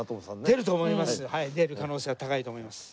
出る可能性は高いと思います。